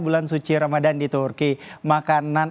bulan suci ramadan di turki makanan